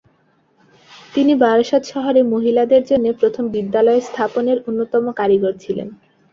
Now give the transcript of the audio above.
তিনি বারাসত শহরে মহিলাদের জন্যে প্রথম বিদ্যালয় স্থাপনের অন্যতম কারিগর ছিলেন।